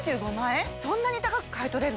そんなに高く買い取れるの？